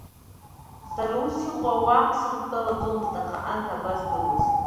Сара ус иҟоу ауаа срыдтәалаӡомызт, аха анҭ абаздыруаз!